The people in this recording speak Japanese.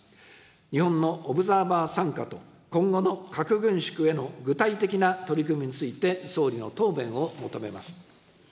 日本のオブザーバー参加と今後の核軍縮への具体的な取り組みについて総理の答弁を求めます。